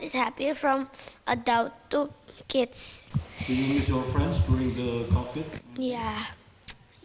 apakah anda menggunakan teman teman anda untuk menggunakan kakak